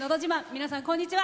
皆さん、こんにちは。